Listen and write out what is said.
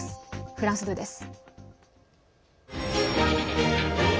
フランス２です。